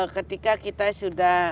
ketika kita sudah